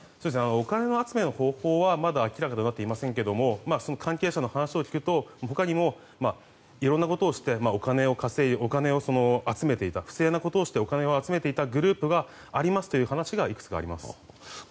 お金集めの方法はまだ明らかになっていませんが関係者の話を聞くと他にもいろんなことをして不正なことをしてお金を集めていたグループがありますという話がいくつかあります。